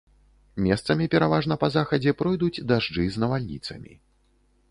Месцамі, пераважна па захадзе, пройдуць дажджы з навальніцамі.